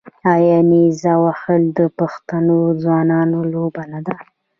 آیا نیزه وهل د پښتنو ځوانانو لوبه نه ده؟